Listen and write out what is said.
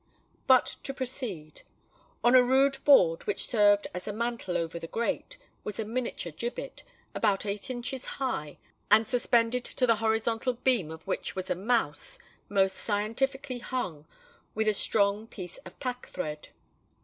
But to proceed. On a rude board which served as a mantel over the grate, was a miniature gibbet, about eight inches high, and suspended to the horizontal beam of which was a mouse—most scientifically hung with a strong piece of pack thread.